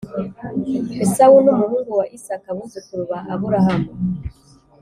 Esawu numuhungu wa isaaka abuzukuru ba aburahamu